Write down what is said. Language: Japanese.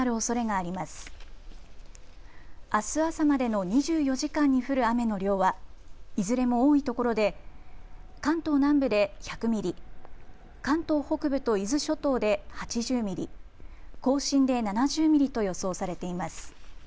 あす朝までの２４時間に降る雨の量はいずれも多いところで関東南部で１００ミリ、関東北部と伊豆諸島で８０ミリ、甲信で７０ミリと予想されています。